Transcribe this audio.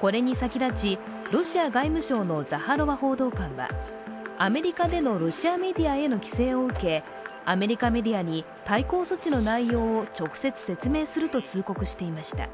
これに先立ちロシア外務省のザハロワ報道官はアメリカでのロシアメディアへの規制を受け、アメリカメディアに対抗措置の内容を直接説明すると通告していました。